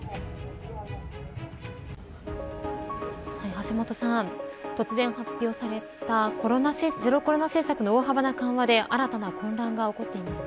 橋下さん、突然発表されたゼロコロナ政策の大幅な緩和で新たな混乱が起こっています。